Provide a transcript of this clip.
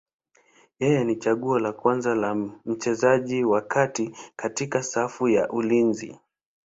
Yeye ni chaguo la kwanza la mchezaji wa kati katika safu ya ulinzi.